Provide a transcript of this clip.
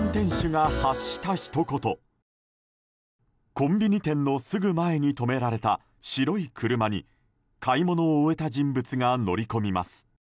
コンビニ店のすぐ前に止められた白い車に買い物を終えた人物が乗り込みます。